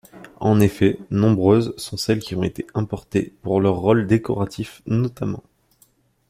En effet, nombreuses sont celles qui ont été importées pour leur rôle décoratif notamment.